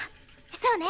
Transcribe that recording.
そうね。